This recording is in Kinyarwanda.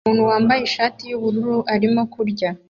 Umuntu wambaye ishati yubururu arimo kurya